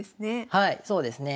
はいそうですね。